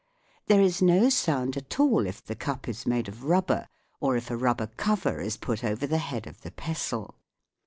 There is no sound at all if the cup is made of rubber, or if a rubber cover is put over the head of the pestle.